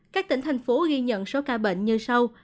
các tỉnh thành phố ghi nhận số ca bệnh như sau